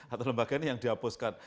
atau lembaga ini yang dihapuskan